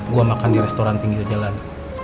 gue makan di restoran tinggi terjalan